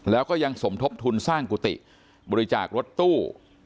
แล้วก็ยังสมทบทุนสร้างกุฏิบริจาครถตู้